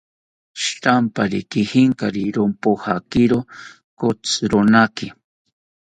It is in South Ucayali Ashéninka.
Shirampari kijinkari, rompojakiro kotzironaki